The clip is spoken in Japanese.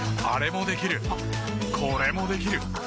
あれもできるこれもできる。